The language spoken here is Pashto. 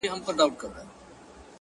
ميسج!